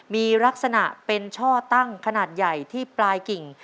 มีลักษณะเป็นช่อตั้งขนาดใหญ่ที่ปลายกิ่ง